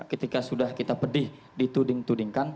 ketika sudah kita pedih dituding tudingkan